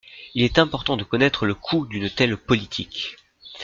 Il est important de connaître le coût d’une telle politique.